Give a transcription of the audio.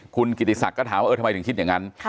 คุณกิติศักดิ์ก็ถามว่าเออทำไมถึงคิดอย่างนั้น